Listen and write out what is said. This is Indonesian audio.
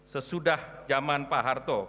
sesudah zaman pak harto